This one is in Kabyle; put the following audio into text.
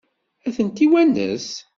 Ad tent-iwanes?